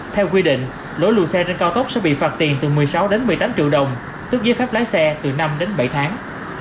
theo quy định lỗi lùi xe trên cao tốc sẽ bị phạt tiền từ một mươi sáu đến một mươi tám triệu đồng tức giấy phép lái xe từ năm đến bảy tháng